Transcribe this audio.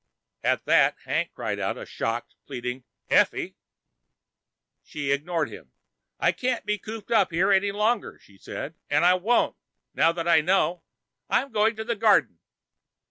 At that Hank cried out a shocked, pleading, "Effie!" She ignored him. "I can't be cooped up here any longer," she said. "And I won't, now that I know. I'm going to the garden."